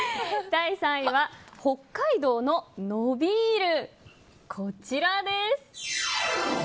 第３位は北海道ののびるこちらです。